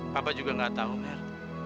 papa juga gak tau mel